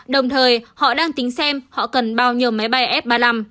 đồng thời họ đang tính xem họ cần bao nhiêu máy bay f ba mươi năm